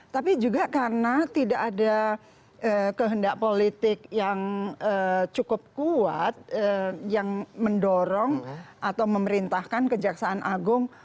tapi juga karena tidak ada kehendak politik yang cukup kuat yang mendorong atau memerintahkan kejaksaan agung